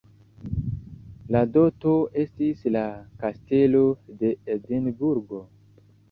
La doto estis la Kastelo de Edinburgo.